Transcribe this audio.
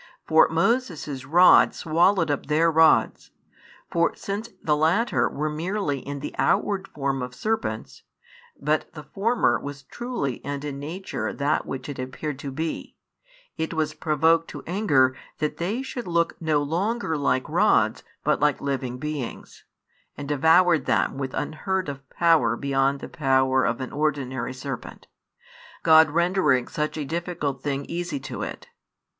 For Moses' rod swallowed up their rods: for since the latter were merely in the outward form of serpents, but the former was truly and in nature that which it appeared to be, it was provoked to anger that they should look no longer like rods but like living beings, and devoured them with unheard of power beyond the power of an [ordinary serpent], God rendering such a difficult thing easy to it.